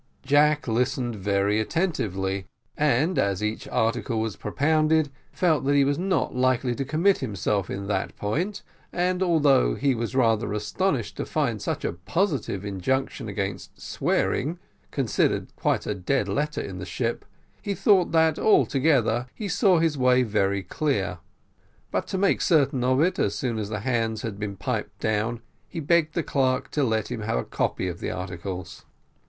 Jack listened very attentively, and, as each article was propounded, felt that he was not likely to commit himself in that point, and, although he was rather astonished to find such a positive injunction against swearing, considered quite a dead letter in the ship, he thought that, altogether, he saw his way very clear. But to make certain of it, as soon as the hands had been piped down he begged the clerk to let him have a copy of the articles.